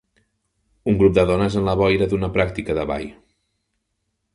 Un grup de dones en la boira d'una pràctica de ball.